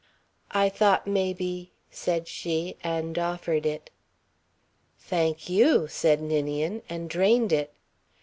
"I thought maybe ..." said she, and offered it. "Thank you!" said Ninian, and drained it.